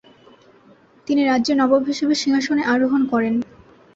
তিনি রাজ্যের নবাব হিসেবে সিংহাসনে আরোহণ করেন।